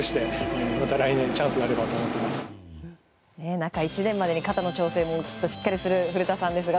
中１年までに肩の調整もきっとしっかりする古田さんですが。